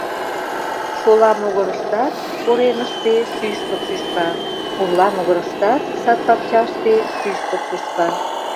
Шола могырыштат — коремыште — шӱшпык шӱшка, пурла могырыштат — сад-пакчаште — шӱшпык шӱшка.